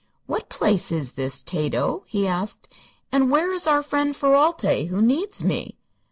"What place is this, Tato?" he asked; "and where is our friend Ferralti, who needs me?"